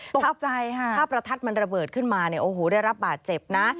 ตกใจค่ะถ้าประทัดมันระเบิดขึ้นมาเนี่ยโอ้โหได้รับบาดเจ็บนะ